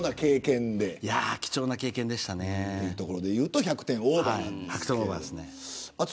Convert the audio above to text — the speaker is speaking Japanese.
貴重な経験で。っていうところでいうと１００点オーバーですね。